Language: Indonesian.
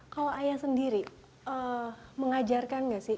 kalau ayah sendiri mengajarkan nggak sih